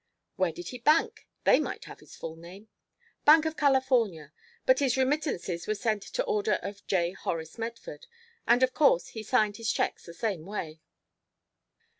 "Where did he bank? They might have his full name." "Bank of California, but his remittances were sent to order of J. Horace Medford, and, of course, he signed his cheques the same way."